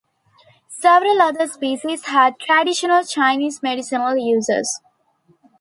Several other species had traditional Chinese medicinal uses.